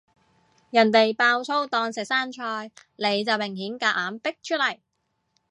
人哋爆粗當食生菜，你就明顯夾硬逼出嚟